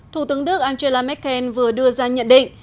thủ tướng đức angela merkel vừa đưa ra nhận định